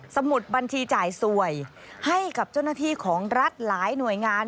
สมุดบัญชีจ่ายสวยให้กับเจ้าหน้าที่ของรัฐหลายหน่วยงาน